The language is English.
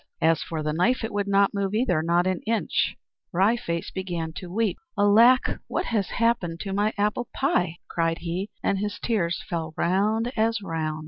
As for the knife, it would not move either, not an inch. Wry Face began to weep. "Alack, what has happened to my apple pie?" cried he; and his tears fell round as round.